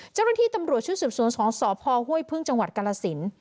เจ้าหน้าที่ตำรวจชื่อสูตรส่วนสองสภห้วยพึ่งจังหวัดกรศิลป์